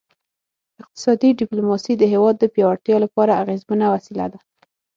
اقتصادي ډیپلوماسي د هیواد د پیاوړتیا لپاره اغیزمنه وسیله ده